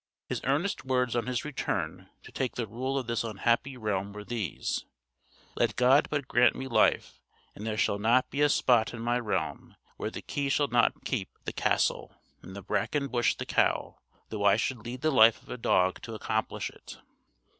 His earnest words on his return to take the rule of this unhappy realm were these: "Let God but grant me life, and there shall not be a spot in my realm where the key shall not keep the castle, and the bracken bush the cow, though I should lead the life of a dog to accomplish it."